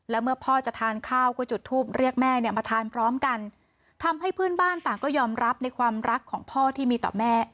และเมื่อพ่อจะทานข้าวก็จุดทูปเรียกแม่เนี่ยมาทานพร้อมกันทำให้เพื่อนบ้านต่างก็ยอมรับในความรักของพ่อที่มีต่อแม่